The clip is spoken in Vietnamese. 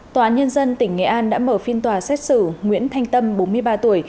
tòa án nhân dân tỉnh nghệ an đã mở phiên tòa xét xử nguyễn thanh tâm bốn mươi ba tuổi